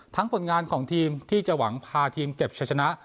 ผลงานของทีมที่จะหวังพาทีมเก็บใช้ชนะ